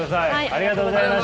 ありがとうございます。